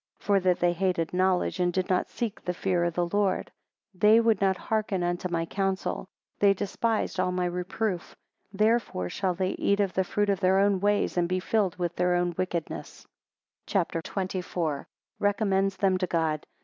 For that they hated knowledge, and did not seek the fear of the Lord. 23 They would not hearken unto my counsel: they despised all my reproof. Therefore shall they eat of the fruit of their own ways; and be filled with their own wickedness. CHAPTER XXIV. 1 Recommends them to God.